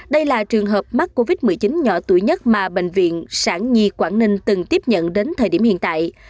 đây là trường hợp mắc covid một mươi chín nhỏ tuổi nhất mà bệnh viện sản nhi quảng ninh từng tiếp nhận đến thời điểm hiện tại